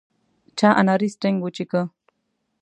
چا اناري سټینګ وڅښو.